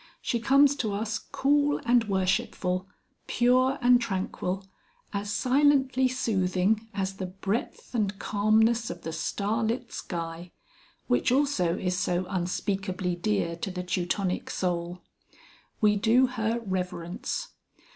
She comes to us cool and worshipful, pure and tranquil, as silently soothing as the breadth and calmness of the starlit sky, which also is so unspeakably dear to the Teutonic soul.... We do her reverence.